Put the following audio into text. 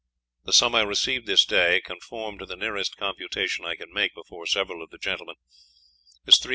The soume I received this day, conform to the nearest computation I can make before several of the gentlemen, is 3227L.